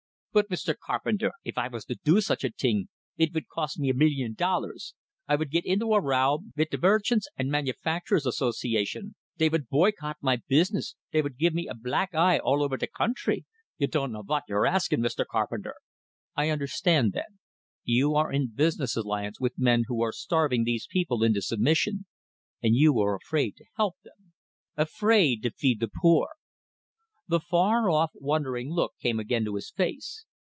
"But, Mr. Carpenter, if I vas to do such a ting, it vould cost me a million dollars. I vould git into a row vit de Merchants' and Manufacturers' Association, dey vould boycott my business, dey vould give me a black eye all over de country. You dunno vot you're askin', Mr. Carpenter." "I understand then you are in business alliance with men who are starving these people into submission, and you are afraid to help them? Afraid to feed the poor!" The far off, wondering look came again to his face.